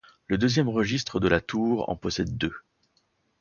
Le deuxième registre de la tour en possède deux.